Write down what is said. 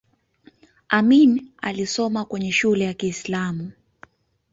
amin alisoma kwenye shule ya kiislamu